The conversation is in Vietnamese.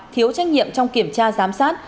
thiếu trách nhiệm trong kiểm tra giám sát